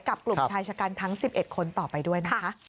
กลุ่มชายชะกันทั้ง๑๑คนต่อไปด้วยนะคะ